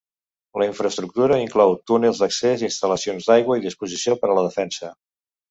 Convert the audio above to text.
La infraestructura inclou túnels d'accés, instal·lacions d'aigua i disposició per a la defensa.